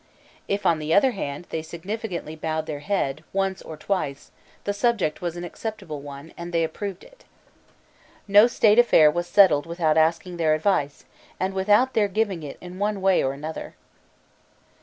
If, on the other hand, they significantly bowed their head, once or twice, the subject was an acceptable one, and they approved it. No state affair was settled without asking their advice, and without their giving it in one way or another.